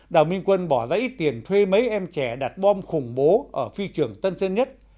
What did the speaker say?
đào minh quân bỏ ra ít tiền thuê mấy em trẻ đặt bom khủng bố ở phi trường tân sơn nhất